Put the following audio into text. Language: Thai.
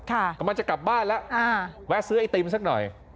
กำลังจะกลับบ้านแล้วอ่าแวะซื้อไอติมสักหน่อย